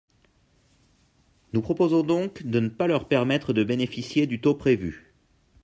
Nous proposons donc de ne pas leur permettre de bénéficier du taux prévu.